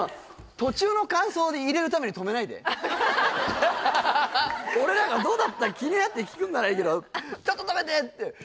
途中の感想で入れるために止めないで俺なんかどうだったか気になって聞くんならいいけどちょっと止めて！